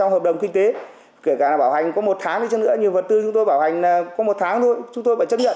hợp đồng kinh tế kể cả bảo hành có một tháng đi chăng nữa nhiều vật tư chúng tôi bảo hành là có một tháng thôi chúng tôi phải chấp nhận